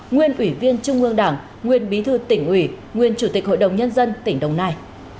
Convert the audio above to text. nguyên ủy viên trung ương đảng nguyên bí thư tỉnh ủy nguyên chủ tịch hội đồng nhân dân tỉnh đồng nai